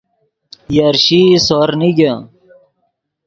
یرشیئی سور نیگے